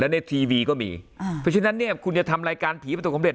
ในทีวีก็มีอ่าเพราะฉะนั้นเนี่ยคุณจะทำรายการผีประสบความเร็